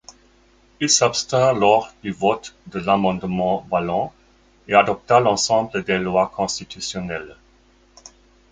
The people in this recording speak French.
Il s’abstint lors du vote de l’amendement Wallon et adopta l’ensemble des lois constitutionnelles.